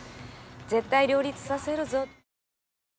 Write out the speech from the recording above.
絶対両立させるぞ。